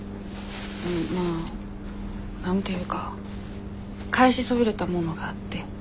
まあ何て言うか返しそびれたものがあって。